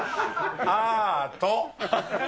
アート！